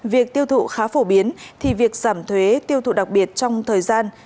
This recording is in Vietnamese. việc tiêu thụ khá phổ biến thì việc giảm thuế tiêu thụ đặc biệt trong thời gian